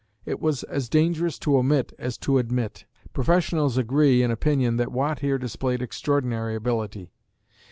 It was as dangerous to omit as to admit. Professionals agree in opinion that Watt here displayed extraordinary ability.